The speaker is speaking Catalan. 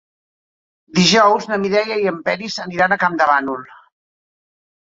Dijous na Mireia i en Peris aniran a Campdevànol.